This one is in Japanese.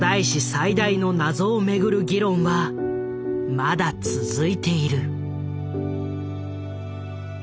最大の謎をめぐる議論はまだ続いている。